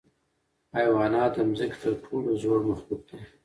حیوانات د ځمکې تر ټولو زوړ مخلوق دی.